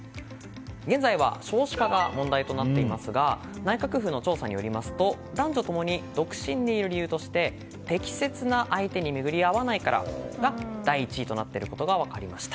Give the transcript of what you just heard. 現在は少子化が問題となっていますが内閣府の調査によりますと男女ともに独身でいる理由として適切な相手に巡り合わないからが第１位となっていることが分かりました。